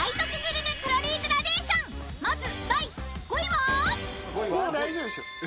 ［まず第５位は？］